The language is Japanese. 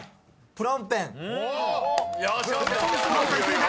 ［「プノンペン」正解！］